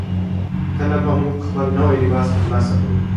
کله به موږ خپل نوی لباس ترلاسه کړو؟